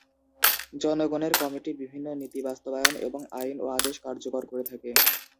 জনগণের কমিটি বিভিন্ন নীতি বাস্তবায়ন এবং আইন ও আদেশ কার্যকর করে থাকে।